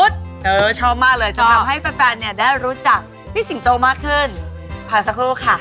ทำให้แฟนเนี่ยได้รู้จักพี่สิงโตมากขึ้นผ่านสักครู่ค่ะ